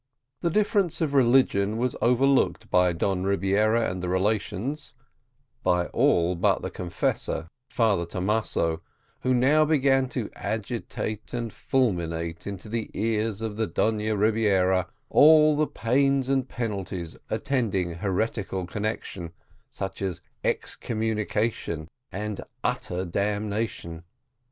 The difference of religion was overlooked by Don Rebiera and the relations by all but the confessor, Father Thomaso, who now began to agitate and fulminate into the ears of the Donna Rebiera all the pains and penalties attending heretical connection, such as excommunication and utter damnation.